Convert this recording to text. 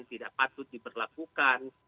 tidak patut diberlakukan